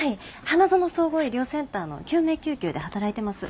花園総合医療センターの救命救急で働いてます。